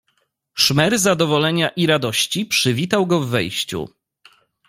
"Szmer zadowolenia i radości przywitał go w wejściu."